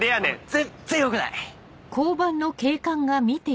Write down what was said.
全然良くない。